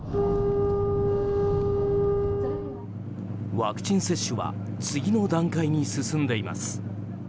ワクチン接種は次の段階に進んでいます。